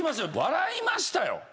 笑いましたよ。